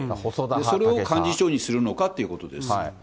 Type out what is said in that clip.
それを幹事長にするのかということです。